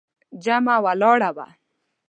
جمعه ولاړه وه.